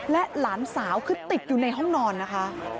และหลานสาวคือติดอยู่ในห้องนอนนะคะ